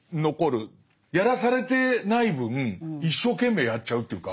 やらされてない分一生懸命やっちゃうっていうか。